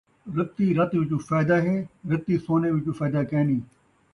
رتی رت وچوں فائدہ ہے ، رتی سونے وچوں فائدہ کینھی